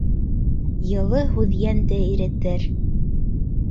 Йылы һүҙ йәнде иретер.